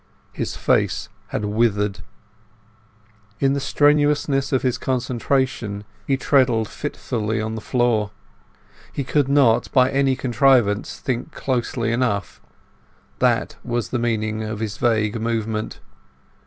His face had withered. In the strenuousness of his concentration he treadled fitfully on the floor. He could not, by any contrivance, think closely enough; that was the meaning of his vague movement.